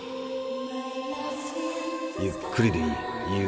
ゆっくりでいい。